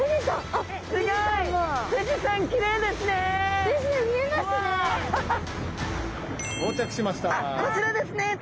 あっこちらですねどうも。